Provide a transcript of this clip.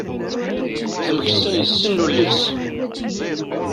Ameksa yessen ulli-s.